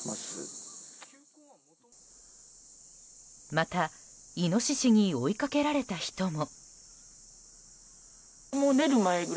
また、イノシシに追いかけられた人も。